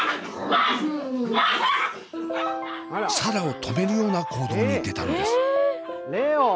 紗蘭を止めるような行動に出たのです。